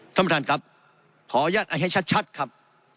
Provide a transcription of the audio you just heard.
ท่านประธานครับขออนุญาตให้ชัดครับ